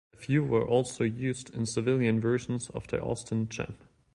A few were also used in civilian versions of the Austin Champ.